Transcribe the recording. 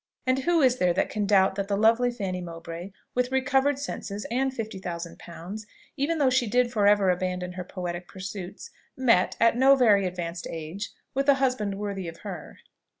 And who is there that can doubt that the lovely Fanny Mowbray, with recovered senses and fifty thousand pounds, even though she did for ever abandon her poetic pursuits, met, at no very advanced age, with a husband worthy of her?